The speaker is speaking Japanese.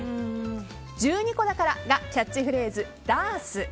１２個だからがキャッチフレーズダース。